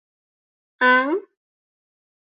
อ๊าง~